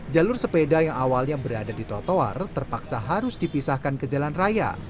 jalur sepeda yang awalnya berada di trotoar terpaksa harus dipisahkan ke jalan raya